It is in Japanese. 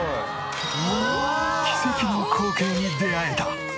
奇跡の光景に出会えた。